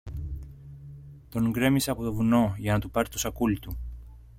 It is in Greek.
τον γκρέμισε από το βουνό για να του πάρει το σακούλι του.